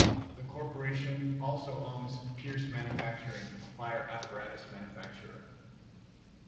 The corporation also owns Pierce Manufacturing, a fire apparatus manufacturer.